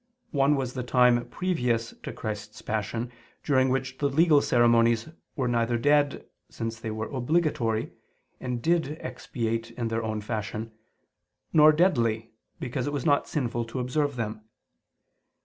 One was the time previous to Christ's Passion, during which the legal ceremonies were neither dead, since they were obligatory, and did expiate in their own fashion; nor deadly, because it was not sinful to observe them.